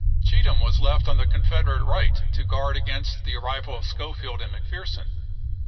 Cheatham was left on the Confederate right to guard against the arrival of Schofield and McPherson.